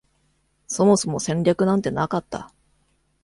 そもそも戦略なんてなかった